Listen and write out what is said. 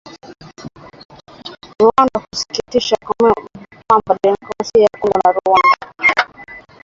Rwanda inasisitizwa kwamba Demokrasia ya Kongo na Rwanda